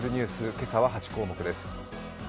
今朝は８項目です。